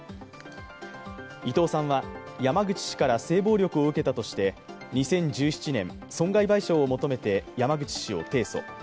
伊藤さんは山口氏から性暴力を受けたとして２０１７年、損害賠償を求めて山口氏を提訴。